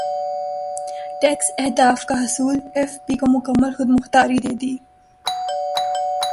tax اہداف کا حصولایف بی کو مکمل خود مختاری دے دی